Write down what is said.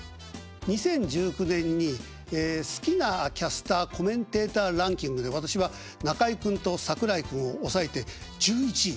２０１９年に好きなキャスターコメンテーターランキングで私は中居君と櫻井君を抑えて１１位。